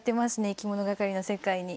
いきものがかりの世界に。